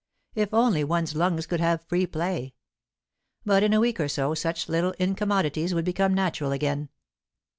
If only one's lungs could have free play! But in a week or so such little incommodities would become natural again.